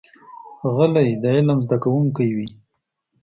غلی، د علم زده کوونکی وي.